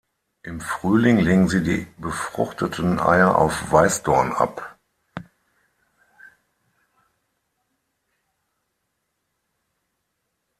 Im Frühling legen sie die befruchteten Eier auf Weißdorn ab.